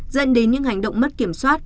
dẫn đến những hành động mất kiểm soát